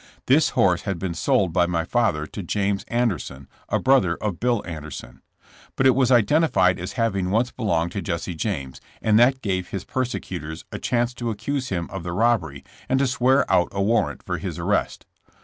This horse had been sold by my father to James Anderson, a brother of Bill Anderson. But it was identified as having once belonged to Jesse James, and that gave his persecutors a chance to ac cuse him of the robbery and to swear out a warrant for his arrest.